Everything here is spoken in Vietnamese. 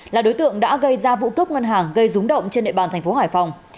là đối tượng đã gây ra vụ cướp ngân hàng gây rúng động trên địa bàn tp hải phòng